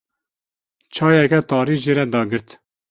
Çayeke tarî jê re dagirt.